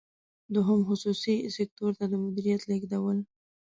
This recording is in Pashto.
دوهم: خصوصي سکتور ته د مدیریت لیږدول.